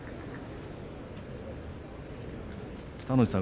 北の富士さん